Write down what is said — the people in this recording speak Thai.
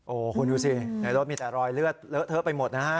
โอ้โหคุณดูสิในรถมีแต่รอยเลือดเลอะเทอะไปหมดนะฮะ